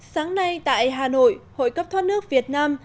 sáng nay tại hà nội hội cấp thoát nước việt nam